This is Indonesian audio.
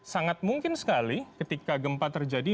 sangat mungkin sekali ketika gempa terjadi